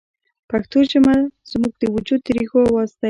پښتو ژبه زموږ د وجود د ریښو اواز دی